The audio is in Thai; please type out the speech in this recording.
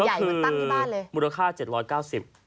ก็คือมูลค่า๗๙๐บาท